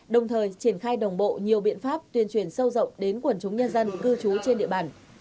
đồng thời triển khai đồng bộ nhiều biện pháp tuyên truyền sâu rộng đến quần chúng nhân dân cư trú trên địa bàn